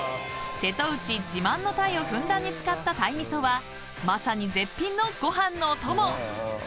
［瀬戸内自慢の鯛をふんだんに使った鯛味噌はまさに絶品のご飯のおとも］